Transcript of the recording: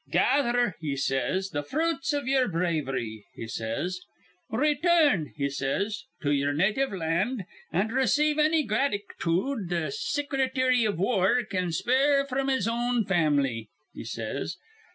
'Gather,' he says, 'th' fruits iv ye'er bravery,' he says. 'Return,' he says, 'to ye'er native land, an' receive anny gratichood th' Sicrety iv War can spare fr'm his own fam'ly,' he says.